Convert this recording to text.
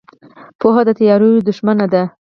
پوهه د تیارو دښمن ده.